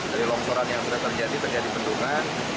dari longsoran yang sudah terjadi terjadi bendungan